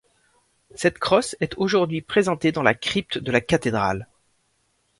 Cette crosse est aujourd'hui présentée dans la crypte de la cathédrale.